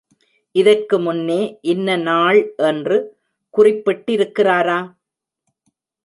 இதற்கு முன்னே இன்ன நாள் என்று குறிப்பிட்டிருக்கிறாரா?